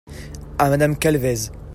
à Madame Calvez.